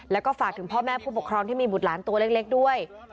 แล้วก็ฝากถึงพ่อแม่ผู้ปกครองที่มีบุตรหลานตัวเล็กด้วย